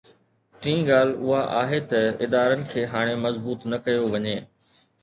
ٽين ڳالهه اها آهي ته ادارن کي هاڻي مضبوط نه ڪيو وڃي.